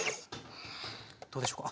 どうでしょうか？